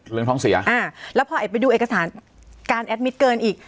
เรื่องท้องเสียอ่าแล้วพอเอกไปดูเอกสารการแอดมิตเกินอีก